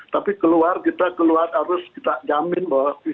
tapi keluar kita keluar harus kita jamin bahwa kita keluar